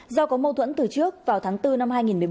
do có mâu thuẫn từ trước vào tháng bốn năm hai nghìn một mươi bảy